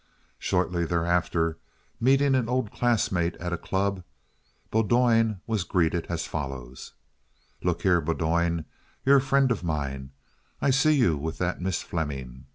Shortly thereafter, meeting an old classmate at a club, Bowdoin was greeted as follows: "Look here, Bowdoin. You're a friend of mine. I see you with that Miss Fleming.